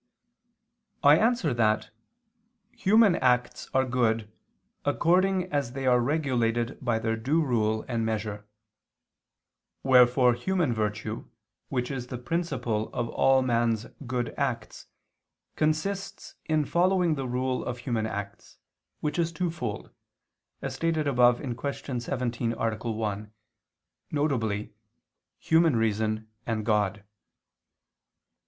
I answer that, Human acts are good according as they are regulated by their due rule and measure. Wherefore human virtue which is the principle of all man's good acts consists in following the rule of human acts, which is twofold, as stated above (Q. 17, A. 1), viz. human reason and God.